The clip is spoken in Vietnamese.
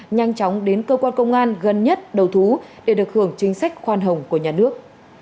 nhanh chóng đến cơ quan công an gần nhất đầu thú để được hưởng chính sách khoan hồng của nhà nước